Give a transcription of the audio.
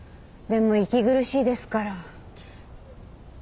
でも息苦しいですから。